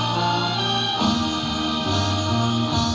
พระบาทที่สุด